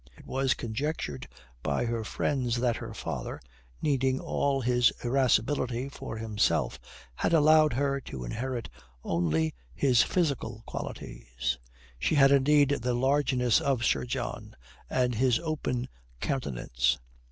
It was conjectured by her friends that her father, needing all his irascibility for himself, had allowed her to inherit only his physical qualities. She had indeed the largeness of Sir John and his open countenance.